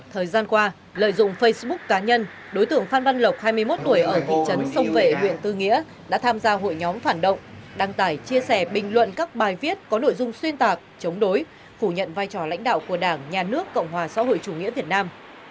thời gian qua lợi dụng facebook cá nhân đối tượng phan văn lộc hai mươi một tuổi ở thị trấn sông vệ huyện tư nghĩa đã tham gia hội nhóm phản động đăng tải chia sẻ bình luận các bài viết có nội dung xuyên tạc chống đối phủ nhận vai trò lãnh đạo của đảng nhà nước cộng hòa xã hội chủ nghĩa việt nam